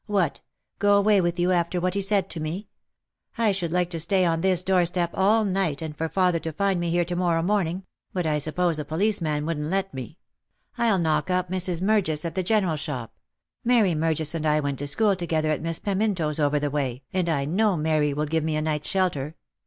" What! go away with you after what he said to me ! I should like to stay on this doorstep all night, and for father to find me here to morrow morning ; but I suppose the policeman wouldn't let me. I'll knock up Mrs. Murgis at the general shop. Mary Murgis and I went to school together at Miss Peminto's over the way, and I know Mary will give me a night's shelter."